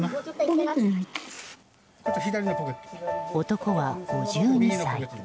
男は５２歳。